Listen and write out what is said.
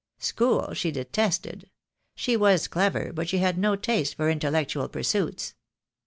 School she detested. She was clever, but she had no taste for intellectual pursuits.